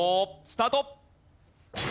スタート！